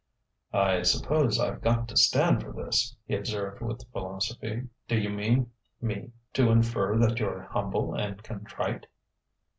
"I suppose I've got to stand for this," he observed with philosophy. "Do you mean me to infer that you're humble and contrite?"